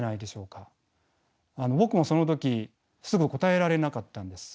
僕もその時すぐ答えられなかったんです。